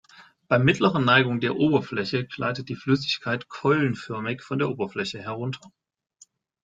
Bei mittlerer Neigung der Oberfläche gleitet die Flüssigkeit keulenförmig von der Oberfläche herunter.